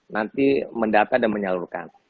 nanti mendata dan menyalurkan